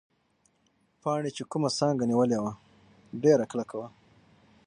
پاڼې چې کومه څانګه نیولې وه، ډېره کلکه وه.